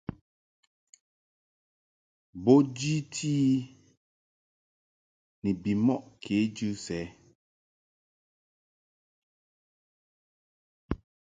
Bo jiti i ni bimɔʼ kejɨ sɛ.